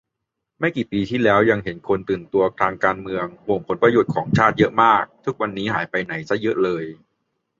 ไม่กี่ปีที่แล้วยังเห็นคนตื่นตัวทางการเมือง ห่วงผลประโยชน์ของชาติเยอะมาก ทุกวันนี้หายไปไหนซะเยอะเลย